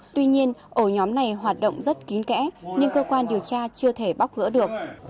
tuy nhiên ổ nhóm này hoạt động rất kín kẽ nhưng cơ quan điều tra chưa thể bóc gỡ được